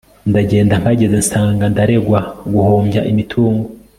ndagenda mpageze nsanga ndaregwa guhombya imitungo